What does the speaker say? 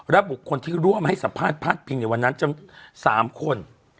บุคคลที่ร่วมให้สัมภาษณ์พาดพิงในวันนั้น๓คน